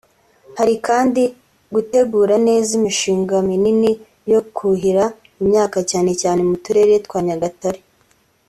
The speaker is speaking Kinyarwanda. Hari kandi ‘gutegura neza imishinga minini yo kuhira imyaka cyane cyane mu turere twa Nyagatare